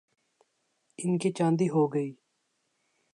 ان کی چاندی ہو گئی۔